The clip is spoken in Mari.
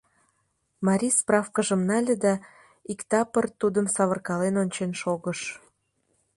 Марий справкыжым нале да иктапыр тудым савыркален ончен шогыш.